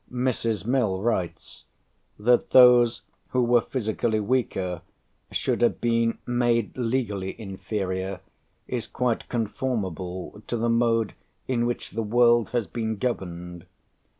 Mrs. Mill writes: "That those who were physically weaker should have been made legally inferior, is quite conformable to the mode in which the world has been governed.